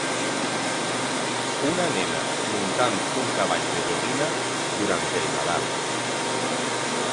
Una nena muntant un cavall de joguina durant el Nadal.